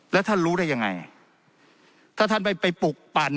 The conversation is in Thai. แล้วท่านรู้ได้ยังไงถ้าท่านไปไปปลุกปั่น